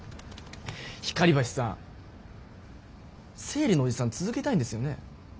光橋さん生理のおじさん続けたいんですよね？